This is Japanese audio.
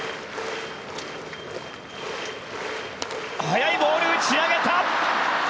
速いボール、打ち上げた。